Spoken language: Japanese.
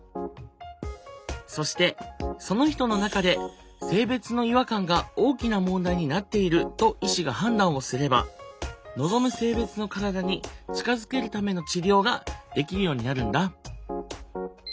そしてその人の中で性別の違和感が大きな問題になっていると医師が判断をすれば望む性別の体に近づけるための治療ができるようになるんだ。